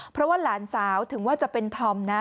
เพราะว่าหลานสาวถึงว่าจะเป็นธอมนะ